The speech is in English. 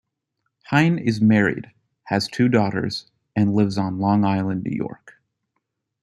Hein is married, has two daughters, and lives on Long Island, New York.